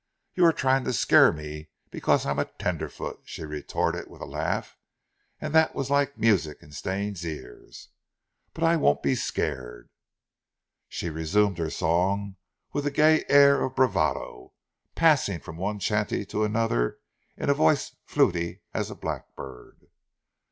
"You are trying to scare me because I'm a tenderfoot," she retorted with a laugh that was like music in Stane's ears; "but I won't be scared." She resumed her song with a gay air of bravado; passing from one chanty to another in a voice fluty as a blackbird.